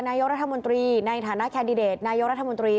นายกรัฐมนตรีในฐานะแคนดิเดตนายกรัฐมนตรี